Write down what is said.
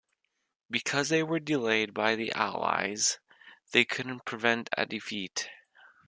Because they were delayed by the Allies, they couldn't prevent a defeat.